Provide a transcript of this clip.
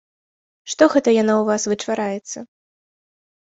Што гэта яно ў вас вычвараецца?